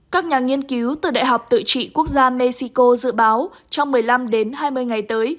các nhà nghiên cứu từ đại học tự trị quốc gia mexico dự báo trong một mươi năm đến hai mươi ngày tới